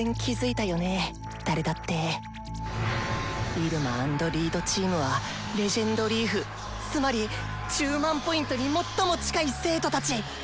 イルマ＆リードチームは「レジェンドリーフ」つまり１０００００Ｐに最も近い生徒たち！